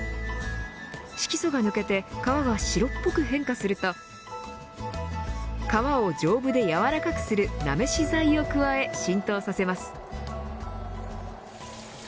色素が抜けて皮が白っぽく変化すると皮を丈夫でやわらかくするなめし剤を加え浸透させます。